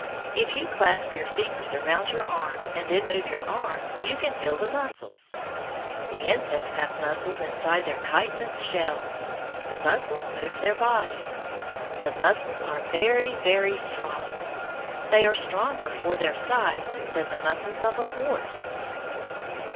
If you clasp your fingers around your arm and then move your arm, you can feel the muscles. The insects have muscles inside their chitinous shells. The muscles move their bodies. The muscles are very, very strong. They are stronger for their size than the muscles of a horse.